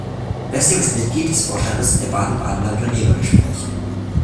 Blessing ist Mitglied des Vorstands der Baden-Badener Unternehmer Gespräche.